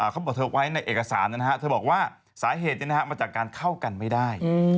เขาบอกเธอไว้ในเอกสารนะฮะเธอบอกว่าสาเหตุมาจากการเข้ากันไม่ได้